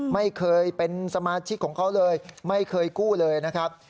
ไม่เคยเป็นสมาชิกของเขาเลยไม่เคยกู้เลยนะครับ